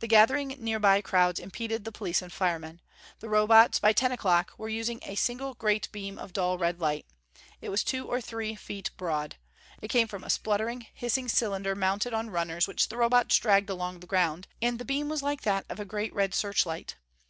The gathering nearby crowds impeded the police and firemen. The Robots, by ten o'clock, were using a single great beam of dull red light. It was two or three feet broad. It came from a spluttering, hissing cylinder mounted on runners which the Robots dragged along the ground, and the beam was like that of a great red searchlight.